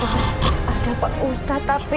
ada pak ustadz tapi